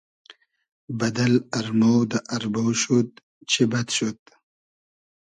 بئدئل ارمۉ دۂ اربۉ شود چی بئد شود